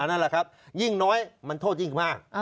นั่นแหละครับยิ่งน้อยมันโทษยิ่งมาก